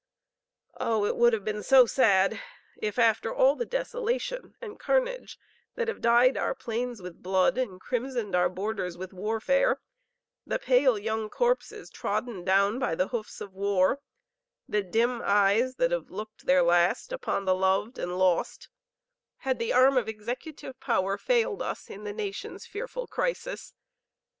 Oh, it would have been so sad if, after all the desolation and carnage that have dyed our plains with blood and crimsoned our borders with warfare, the pale young corpses trodden down by the hoofs of war, the dim eyes that have looked their last upon the loved and lost, had the arm of Executive power failed us in the nation's fearful crisis!